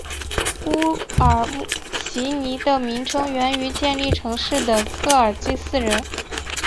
乌尔齐尼的名称源于建立城市的科尔基斯人。